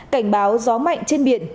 cảnh báo gió mạnh trên biển